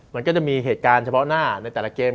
มันก็จะมีเหตุการณ์เฉพาะหน้าในแต่ละเกม